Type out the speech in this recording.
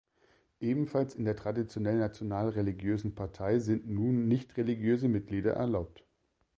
Ebenfalls in der traditionell national-religiösen Partei sind nun nicht-religiöse Mitglieder erlaubt.